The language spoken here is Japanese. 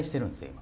今。